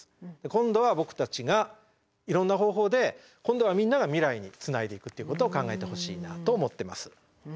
今度は僕たちがいろんな方法で今度はみんなが未来につないでいくっていうことを考えてほしいなと思ってます。